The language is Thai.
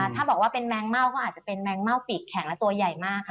ถ้าบอกว่าเป็นแมงเม่าก็อาจจะเป็นแมงเม่าปีกแข็งและตัวใหญ่มากค่ะ